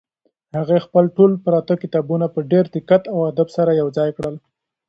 هغې خپل ټول پراته کتابونه په ډېر دقت او ادب سره یو ځای کړل.